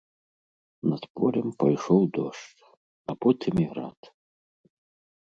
Над полем пайшоў дождж, а потым і град.